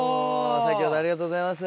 先ほどはありがとうございます。